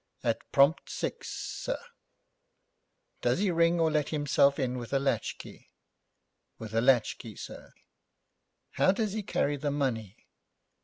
'At prompt six, sir.' 'Does he ring, or let himself in with a latchkey?' 'With a latchkey, sir.' 'How does he carry the money?'